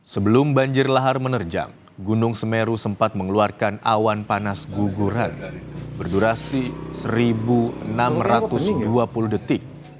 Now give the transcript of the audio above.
sebelum banjir lahar menerjang gunung semeru sempat mengeluarkan awan panas guguran berdurasi seribu enam ratus dua puluh detik